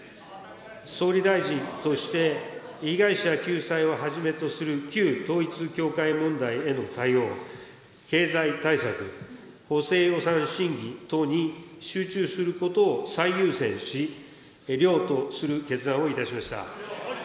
総理大臣として、被害者救済をはじめとする旧統一教会問題への対応、経済対策、補正予算審議等に集中することを最優先し、了とする決断をいたしました。